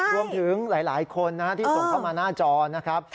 รวมถึงหลายคนที่ส่งเข้ามาหน้าจอนะครับ